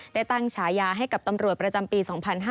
ได้ตั้งฉายาให้กับตำรวจประจำปี๒๕๕๙